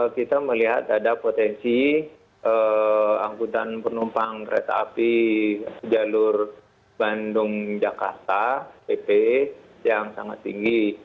kita melihat ada potensi angkutan penumpang kereta api jalur bandung jakarta pp yang sangat tinggi